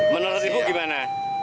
menurut ibu gimana